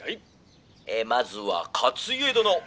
「まずは勝家殿」。